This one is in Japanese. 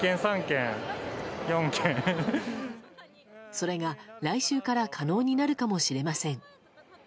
それが来週から可能になるかもしれません。